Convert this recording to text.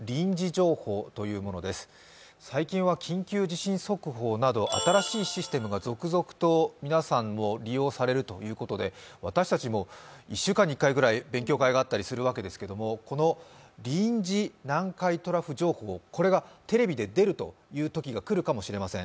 最近は緊急地震速報など、新しいシステムが続々と皆さんも利用されるということで私たちも１週間に１回ぐらい勉強会があったりしますがこの臨時南海トラフ情報がテレビで出るというときが来るかもしれません。